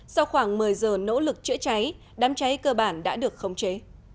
sau khoảng một mươi giờ nỗ lực chữa cháy đám cháy cơ bản đã được khống chế